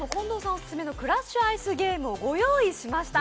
オススメの「クラッシュアイスゲーム」をご用意しました。